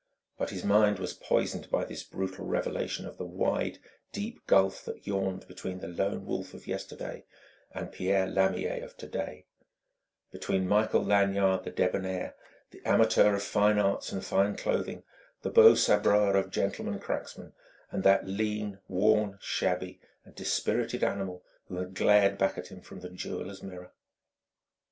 But his mind was poisoned by this brutal revelation of the wide, deep gulf that yawned between the Lone Wolf of yesterday and Pierre Lamier of today; between Michael Lanyard the debonnaire, the amateur of fine arts and fine clothing, the beau sabreur of gentlemen cracksmen and that lean, worn, shabby and dispirited animal who had glared back at him from the jeweller's mirror.